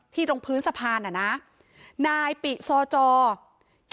ที่ตรงพื้นสะพานนี่นะนายปิศาจอกล์